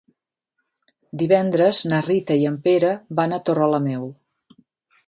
Divendres na Rita i en Pere van a Torrelameu.